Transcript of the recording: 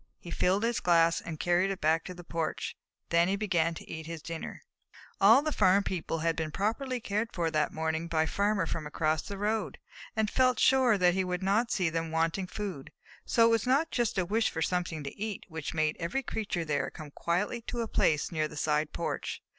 He filled his glass and carried it back to the porch. Then he began to eat his dinner. All the farm people had been properly cared for that morning by the Farmer from across the road, and felt sure that he would not see them wanting food, so it was not just a wish for something to eat which made every creature there come quietly to a place near the side porch.